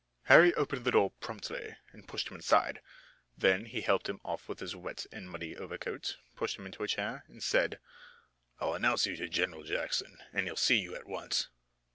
Harry opened the door promptly and pushed him inside. Then he helped him off with his wet and muddy overcoat, pushed him into a chair, and said: "I'll announce you to General Jackson, and he'll see you at once."